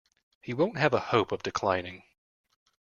He won't have a hope of declining.